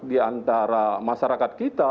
di antara masyarakat kita